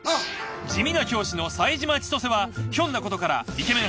地味な教師の冴島千歳はひょんなことからイケメン